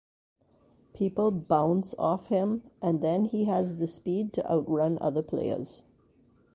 People bounce off him and then he has the speed to outrun other players.